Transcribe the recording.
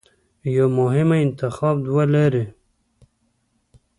د یوه مهم انتخاب دوه لارې